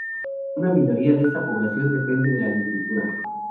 Una minoría de esta población depende de la agricultura.